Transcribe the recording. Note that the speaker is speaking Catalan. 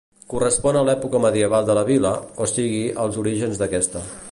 Correspon a l'època medieval de la vila, o sigui als orígens d'aquesta.